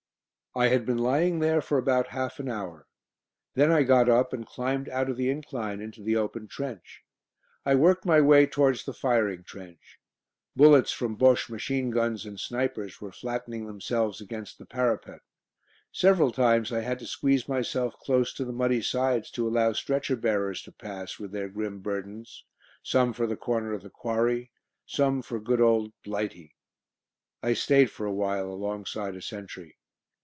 I had been lying there for about half an hour. Then I got up and climbed out of the incline into the open trench. I worked my way towards the firing trench; bullets from Bosche machine guns and snipers were flattening themselves against the parapet. Several times I had to squeeze myself close to the muddy sides to allow stretcher bearers to pass with their grim burdens; some for the corner of the Quarry, some for good old "Blighty." I stayed for a while alongside a sentry.